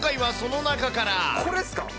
これっすか？